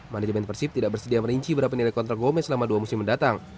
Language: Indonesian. manajemen persib tidak bersedia merinci berapa nilai kontrak gome selama dua musim mendatang